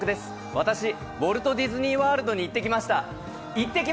私、ウォルト・ディズニーワールドに行ってきました。